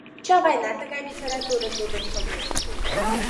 Чавайнат тыгай литературым лудын шоген.